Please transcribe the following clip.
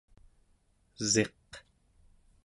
esiq